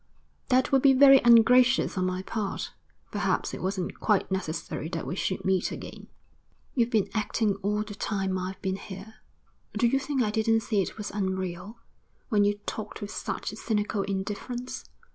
'That would be very ungracious on my part. Perhaps it wasn't quite necessary that we should meet again.' 'You've been acting all the time I've been here. Do you think I didn't see it was unreal, when you talked with such cynical indifference?